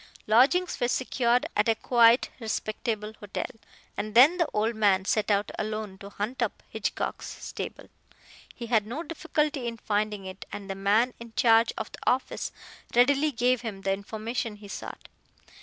Lodgings were secured at a quiet, respectable hotel, and then the old man set out alone to hunt up Hitchcock's stable. He had no difficulty in finding it, and the man in charge of the office readily gave him the information he sought.